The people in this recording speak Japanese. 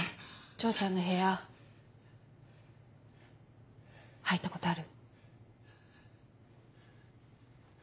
丈ちゃんの部屋入ったことある？